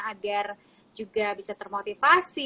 agar juga bisa termotivasi